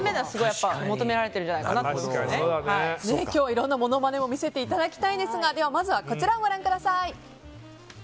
そういうところが今日はいろんなものまねを見せていただきたいんですがまずはこちらをご覧ください。